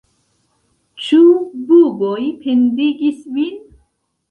Ĉu buboj pendigis vin?